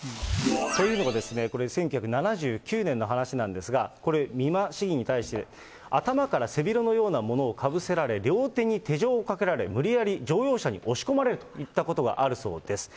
というのが、１９７９年の話なんですが、これ、美馬市議に対して、頭から背広のようなものをかぶせられ、両手に手錠をかけられ、無理やり乗用車に押し込まれるといったことがあるそうです。